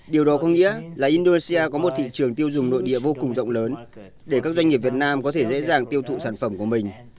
điều đó có nghĩa là indonesia có một thị trường tiêu dùng nội địa vô cùng rộng lớn để các doanh nghiệp việt nam có thể dễ dàng tiêu thụ sản phẩm của mình